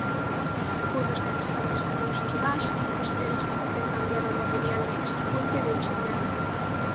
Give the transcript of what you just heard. Pueblos tan distantes como los Chumash costeros intercambiaron material de esta fuente de Obsidiana.